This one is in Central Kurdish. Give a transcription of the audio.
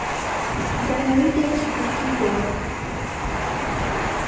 زاراوەی دایکی کوردی بووە